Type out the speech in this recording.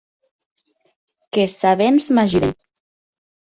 Qu’es sabents m’ajuden.